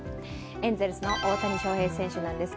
エンゼルスの大谷翔平選手です。